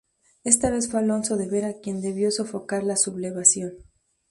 Esta vez fue Alonso de Vera quien debió sofocar la sublevación.